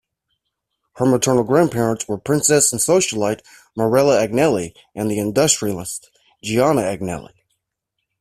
Her maternal grandparents were princess and socialite Marella Agnelli and the industrialist Gianni Agnelli.